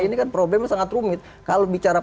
ini kan problemnya sangat rumit kalau bicara